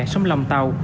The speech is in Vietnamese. sông lòng tàu